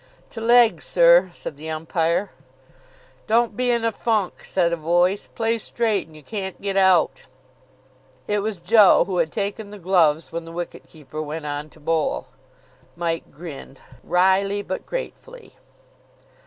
"To leg, sir," said the umpire. "Don't be in a funk," said a voice. "Play straight, and you can't get out." It was Joe, who had taken the gloves when the wicket keeper went on to bowl. Mike grinned, wryly but gratefully.